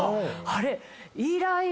あれ。